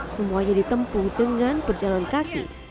semuanya ditempuh dengan berjalan kaki